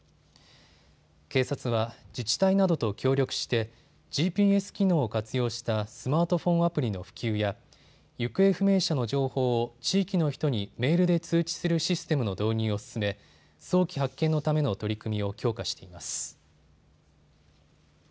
警察は自治体などと協力してＧＰＳ機能を活用したスマートフォンアプリの普及や行方不明者の情報を地域の人にメールで通知するシステムの導入を進め、早期発見のための取り組みを強化しています。